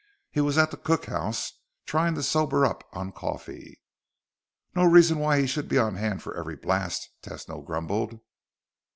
He was at the cookhouse trying to sober up on coffee." "No reason why he should be on hand for every blast," Tesno grumbled.